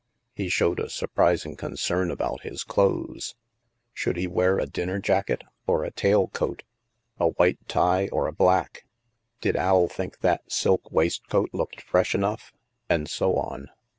He showed a surprising concern about his clothes. Should he wear a din ner jacket or a "tail coat?" A white tie or a black ? Did Al think that silk waistcoat looked fresh enough ? And so on.